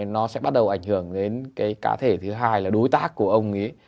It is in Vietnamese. nó sẽ bắt đầu ảnh hưởng đến cái cá thể thứ hai là đối tác của ông ấy